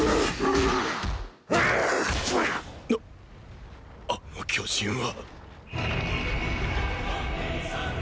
なあの巨人は。